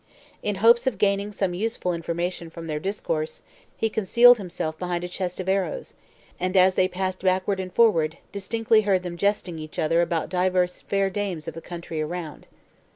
In hopes of gaining some useful information from their discourse, he concealed himself behind a chest of arrows; and as they passed backward and forward, distinctly heard them jesting each other about divers fair dames of the country around.